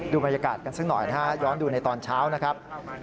บรรยากาศกันสักหน่อยนะฮะย้อนดูในตอนเช้านะครับ